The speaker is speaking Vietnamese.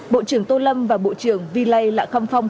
bộ trưởng tô lâm và bộ trưởng vy lai lạ khong phong